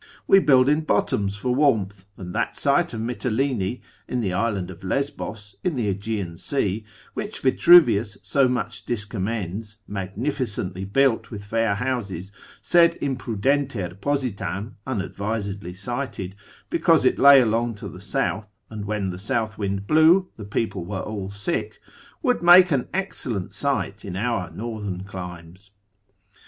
We build in bottoms for warmth: and that site of Mitylene in the island of Lesbos, in the Aegean sea, which Vitruvius so much discommends, magnificently built with fair houses, sed imprudenter positam unadvisedly sited, because it lay along to the south, and when the south wind blew, the people were all sick, would make an excellent site in our northern climes.